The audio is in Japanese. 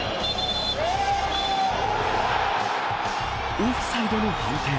オフサイドの判定。